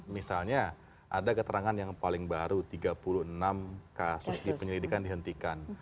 misalnya ada keterangan yang paling baru tiga puluh enam kasus di penyelidikan dihentikan